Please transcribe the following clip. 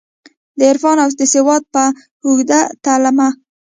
دعرفان اودسواد په اوږو تلمه